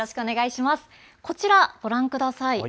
こちら、ご覧ください。